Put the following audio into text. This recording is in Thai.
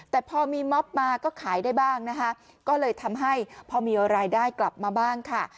แต่พอมีม็อบมาก็ขายได้บ้างนะคะก็เลยทำให้พอมีรายได้กลับมาบ้างค่ะ